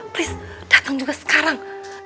please dateng juga sekarang